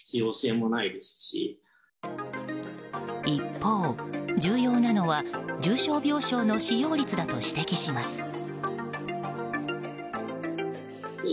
一方、重要なのは重症病床の使用率だと指摘します。